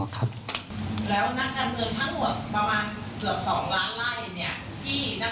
แล้วนักการเมืองทั้งหมดประมาณเกือบ๒ล้านไล่